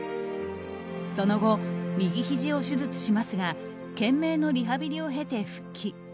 その後、右ひじを手術しますが懸命のリハビリを経て復帰。